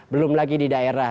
belum lagi di daerah